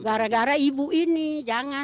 gara gara ibu ini jangan